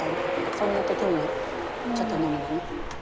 そんな時にはちょっと飲むのね。